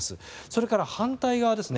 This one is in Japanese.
それから、反対側です。